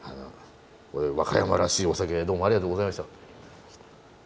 和歌山らしいお酒どうもありがとうございました。